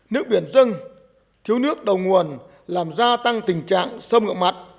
nước biển dân thiếu nước đầu nguồn làm gia tăng tình trạng xâm ngọt mặn